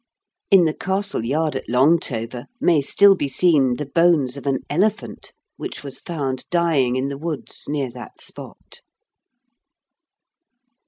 In the castle yard at Longtover may still be seen the bones of an elephant which was found dying in the woods near that spot.